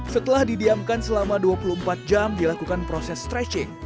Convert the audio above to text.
setelah didiamkan selama dua puluh empat jam dilakukan proses stretching